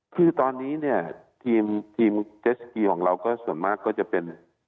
คือตอนนี้เนี่ยทีมเจสกีของเราก็ส่วนมากก็จะเป็น